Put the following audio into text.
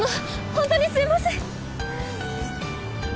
本当にすいません。